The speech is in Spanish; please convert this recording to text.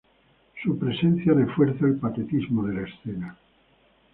Su presencia refuerza el patetismo de la escena.